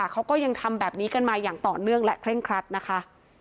เขาก็ยังทำแบบนี้กันมาอย่างต่อเนื่องและเคร่งครัดนะคะ